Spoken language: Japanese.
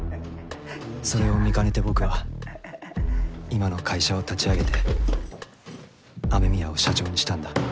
それを見かねて僕は今の会社を立ち上げて雨宮を社長にしたんだ。